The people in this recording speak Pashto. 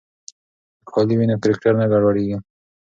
که کالي وي نو کرکټر نه ګډوډیږي.